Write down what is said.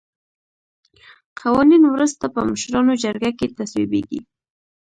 قوانین وروسته په مشرانو جرګه کې تصویبیږي.